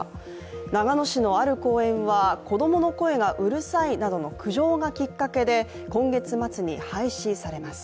長野市のある公園は子供の声がうるさいなどの苦情がきっかけで今月末に廃止されます。